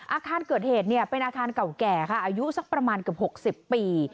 อาคารเกิดเหตุเป็นอาคารเก่าแก่ค่ะอายุสักประมาณเกือบ๖๐ปี